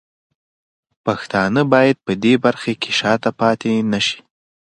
پښتانه باید په دې برخه کې شاته پاتې نه شي.